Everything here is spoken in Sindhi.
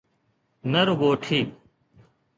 نه رڳو ٺيڪ.